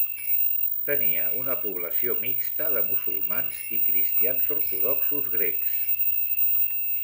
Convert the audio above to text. Tenia una població mixta de musulmans i cristians ortodoxos grecs.